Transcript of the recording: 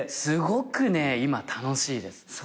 すごくね今楽しいです。